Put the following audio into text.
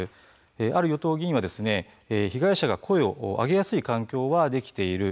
ある与党議員は「被害者が声を上げやすい環境はできている。